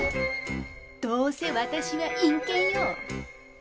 どうせ私は陰険よ！